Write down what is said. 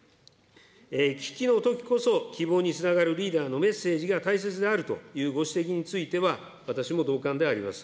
危機のときこそ、希望につながるリーダーのメッセージが大切であるというご指摘については、私も同感であります。